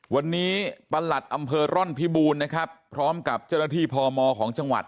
วันนี้ประหลัดอำเภอร่อนพิบูรณ์นะครับพร้อมกับเจ้าหน้าที่พมของจังหวัด